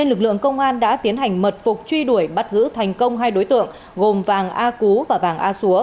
lực lượng công an đã tiến hành mật phục truy đuổi bắt giữ thành công hai đối tượng gồm vàng a cú và vàng a xúa